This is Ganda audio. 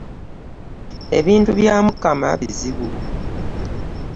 Ebintu byamukama bizibu .